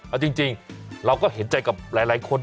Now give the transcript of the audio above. เอาจริงเราก็เห็นใจกับหลายคน